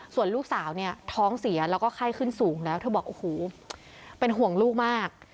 ส่วนลูกสาวเนี่ยท้องเสียแล้วก็ไข้ขึ้นสูงแล้วเธอบอกโอ้โหเป็นห่วงลูกมาก